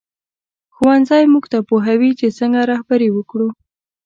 ښوونځی موږ پوهوي چې څنګه رهبري وکړو